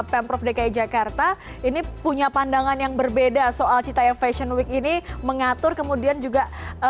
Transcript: pemprov dki jakarta ini punya pandangan yang berbeda soal citayam fashion week ini mengatur kemudian juga